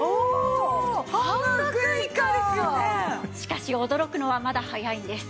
しかし驚くのはまだ早いんです。